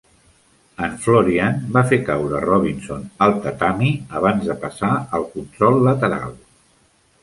En Florian va fer caure Robinson al tatami abans de passar al control lateral.